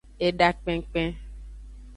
Eda kpenkpen.